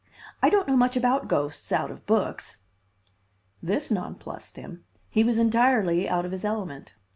I don't know much about ghosts out of books." This nonplussed him. He was entirely out of his element.